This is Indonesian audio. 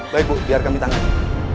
baik bu biarkan kita ngasih